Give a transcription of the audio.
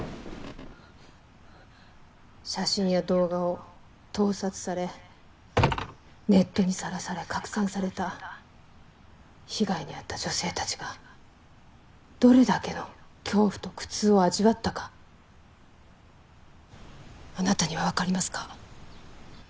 写真や動画を盗撮されネットに晒され拡散された被害にあった女性達がどれだけの恐怖と苦痛を味わったかあなたにはわかりますか？